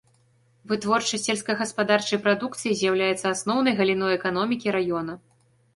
Вытворчасць сельскагаспадарчай прадукцыі з'яўляецца асноўнай галіной эканомікі раёна.